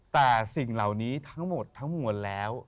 แต่สิ่งเหล่านี้ทั้งหมดทั้งมวลแล้ว